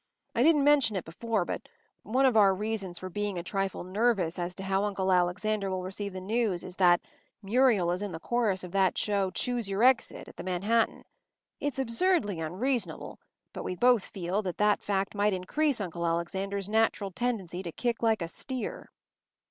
I didn’t mention it before, but one of our reasons for being a trifle nervous as to how Uncle Alexander will receive the news is that Muriel is in the chorus of that show Choose your Exit at the Manhattan. It’s absurdly unreasonable, but we both feel that that fact might increase Uncle Alexander’s natural tendency to kick like a steer.